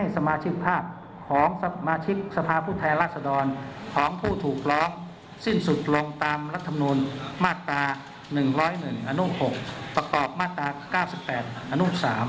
สมาชิกสภาพูดแทนราศดรของผู้ถูกล้องสิ้นสุดลงตามรัฐธรรมนุนมาตรา๑๐๑อน๖ประกอบมาตรา๙๘อน๓